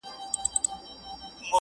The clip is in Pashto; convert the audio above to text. کندهارۍ سترگي دې د هند د حورو ملا ماتوي؛